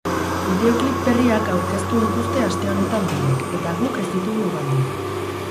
Bideoklip berriak aurkeztu dituzte aste honetan biek, eta guk ez ditugu galdu.